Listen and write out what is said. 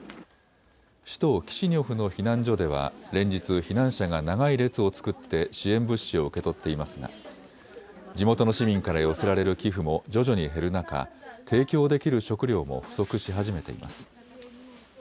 首都キシニョフの避難所では、連日、避難者が長い列を作って支援物資を受け取っていますが地元の市民から寄せられる寄付も徐々に減る中、提供できる食料も不足し始めています。